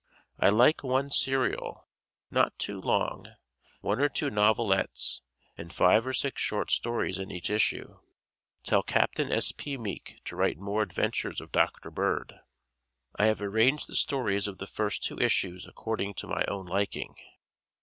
I like one serial (not too long), one or two novelettes, and five or six short stories in each issue. Tell Captain S. P. Meek to write more adventures of Dr. Bird. I have arranged the stories of the first two issues according to my own liking.